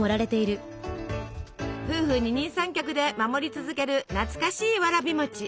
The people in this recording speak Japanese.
夫婦二人三脚で守り続ける懐かしいわらび餅。